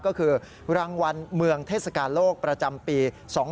ก็คือรางวัลเมืองเทศกาลโลกประจำปี๒๕๖